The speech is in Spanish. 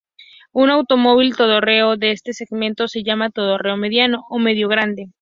Un automóvil todoterreno de este segmento se llama "todoterreno mediano" o "mediano grande".